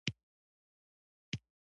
له بحران نه د وتلو او په هوښیارۍ